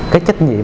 cái trách nhiệm